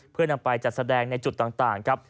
เพื่อนำไปจัดแสดงในจุดต่างครับ